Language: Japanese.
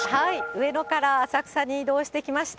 上野から浅草に移動してきました。